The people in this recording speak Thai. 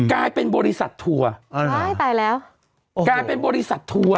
กลายเป็นบริษัททัวร์อ่าใช่ตายแล้วกลายเป็นบริษัททัวร์